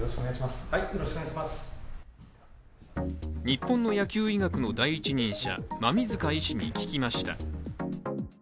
日本の野球医学の第一人者馬見塚医師に聞きました。